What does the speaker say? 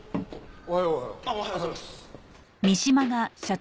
おはようございます。